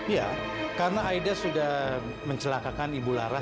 ya karena aida sudah mencelakakan ibu laras